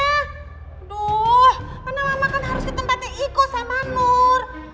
aduh mana mama kan harus ke tempatnya iko sama nur